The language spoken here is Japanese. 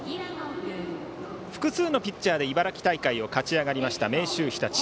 複数のピッチャーで茨城大会を勝ち上がりました明秀日立。